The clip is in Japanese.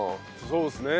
そうですね。